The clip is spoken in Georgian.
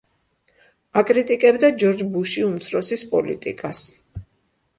აკრიტიკებდა ჯორჯ ბუში უმცროსის პოლიტიკას.